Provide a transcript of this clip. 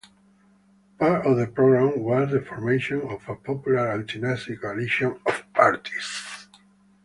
Part of the program was the formation of a popular anti-Nazi coalition of parties.